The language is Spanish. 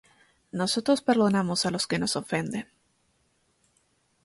nosotros perdonamos a los que nos ofenden;